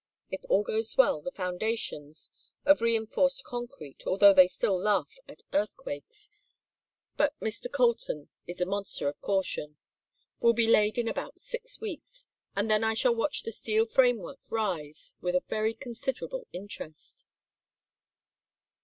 If all goes well, the foundations of reinforced concrete, although they still laugh at earthquakes but Mr. Colton is a monster of caution will be laid in about six weeks, and then I shall watch the steel framework rise with a very considerable interest."